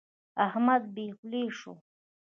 احمد بې خولې شو.